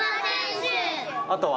あとは？